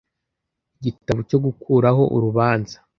igitambo cyo gukuraho urubanza